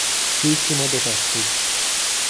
L'ultimo detective